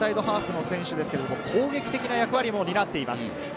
インサイドハーフの選手ですけれど、攻撃的な役割も担っています。